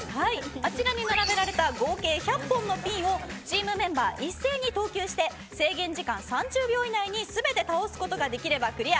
あちらに並べられた合計１００本のピンをチームメンバいっせいに投球して制限時間３０秒以内に全て倒すことができればクリア。